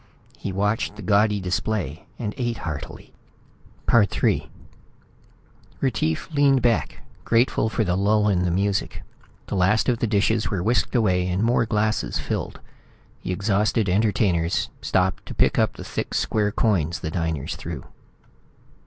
He watched the gaudy display and ate heartily. III Retief leaned back, grateful for the lull in the music. The last of the dishes were whisked away, and more glasses filled. The exhausted entertainers stopped to pick up the thick square coins the diners threw.